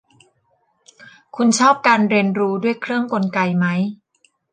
คุณชอบการเรียนรู้ด้วยเครื่องกลไกไหม